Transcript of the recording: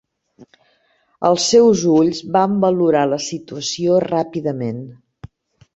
Els seus ulls van valorar la situació ràpidament.